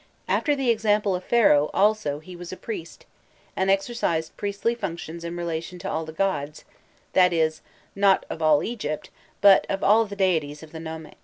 After the example of Pharaoh, also, he was a priest, and exercised priestly functions in relation to all the gods that is, not of all Egypt, but of all the deities of the nome.